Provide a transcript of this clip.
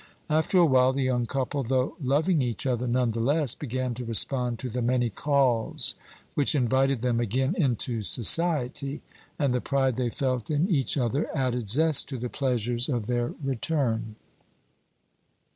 After a while, the young couple, though loving each other none the less, began to respond to the many calls which invited them again into society, and the pride they felt in each other added zest to the pleasures of their return.